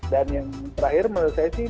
dan yang terakhir menurut saya sih